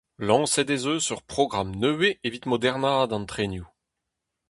Lañset ez eus ur programm nevez evit modernaat an trenioù.